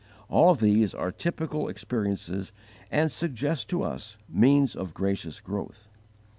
All of these are typical experiences and suggest to us means of gracious growth.